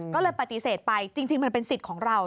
ก็เลยปฏิเสธไปจริงมันเป็นสิทธิ์ของเรา